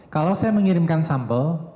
kalau saya mengirimkan sampel